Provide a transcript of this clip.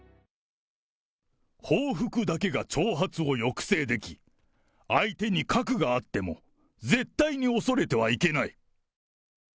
報復だけが挑発を抑制でき、相手に核があっても、絶対に恐れてはいけない。